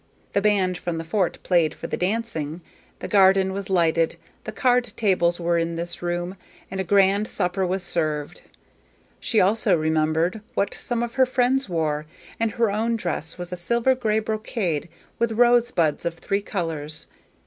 The band from the fort played for the dancing, the garden was lighted, the card tables were in this room, and a grand supper was served. She also remembered what some of her friends wore, and her own dress was a silver gray brocade with rosebuds of three colors.